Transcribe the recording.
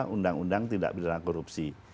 undang undang tindak pidana korupsi